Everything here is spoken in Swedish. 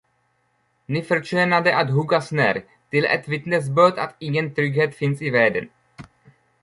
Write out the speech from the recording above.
Ni förtjänade att huggas ner, till ett vittnesbörd att ingen trygghet finns i världen.